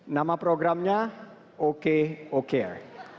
nama programnya ok okr